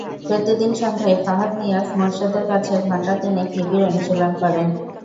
প্রতিদিন সন্ধ্যায় ফাহাদ নিয়াজ মোরশেদের কাছে ঘণ্টা তিনেক নিবিড় অনুশীলন করে।